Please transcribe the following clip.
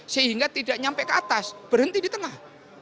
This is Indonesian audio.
sehingga tidak nyampe ke atas berhenti di tengah